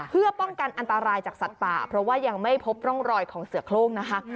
เพื่อป้องกันอันตรายจากสัตว์ป่าเพราะว่ายังไม่พบร่องรอยของเสือโครงนะคะ